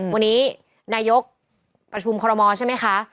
วันนี้นายกประชุมคอรมอลใช่ไหมคะ